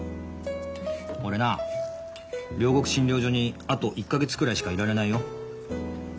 俺な両国診療所にあと１か月くらいしかいられないよ。